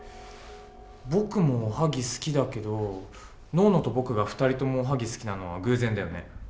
僕もおはぎ好きだけどノーノと僕が２人ともおはぎ好きなのは偶然だよね？